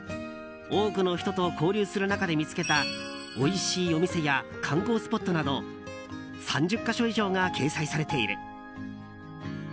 多くの人と交流する中で見つけたおいしいお店や観光スポットなど３０か所以上が掲載されている。